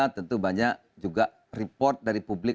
tentu banyak juga report dari publik